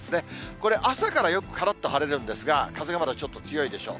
これ、朝からよくからっと晴れるんですが、風がまだちょっと強いでしょう。